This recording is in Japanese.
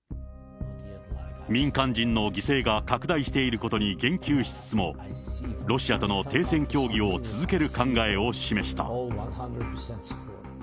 民間人の犠牲が拡大していることに言及しつつも、ロシアとの停戦協議を続ける考えを示した。